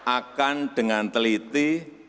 akan dengan teliti